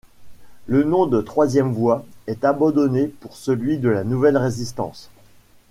Le nom de Troisième Voie est abandonné pour celui de Nouvelle Résistance.